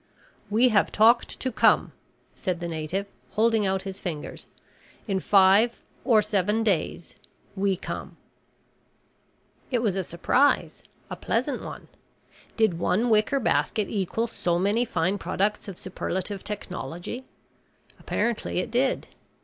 "We have talked to come," said the native, holding out his fingers. "In five or seven days, we come." It was a surprise, a pleasant one. Did one wicker basket equal so many fine products of superlative technology? Apparently it did.